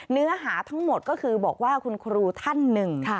เนื้อหาทั้งหมดก็คือบอกว่าคุณครูท่านหนึ่ง